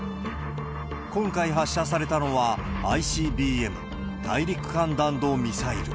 今回発射されたのは、ＩＣＢＭ・大陸間弾道ミサイル。